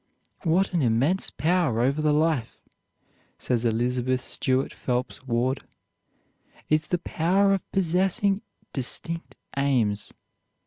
"What a immense power over the life," says Elizabeth Stuart Phelps Ward, "is the power of possessing distinct aims.